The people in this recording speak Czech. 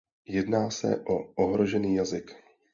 Jedná se o ohrožený jazyk.